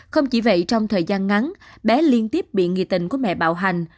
không chỉ vậy trong thời gian ngắn bé liên tiếp bị nghị tình của mẹ bạo hành